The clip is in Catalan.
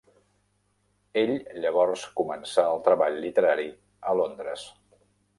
Ell llavors començà el treball literari a Londres.